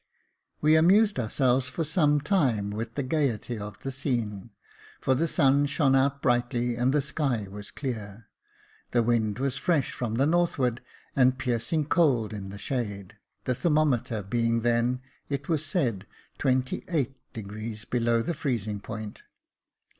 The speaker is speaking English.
We amused ourselves for some time with the gaiety of the scene, for the sun shone out brightly, and the sky was clear. The wind was fresh from the northward, and piercing cold in the shade, the thermometer being then, it was said, twenty eight degrees Jacob Faithful 217 below the freezing point.